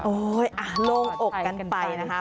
โอ้ยโล่งอกกันไปนะฮะ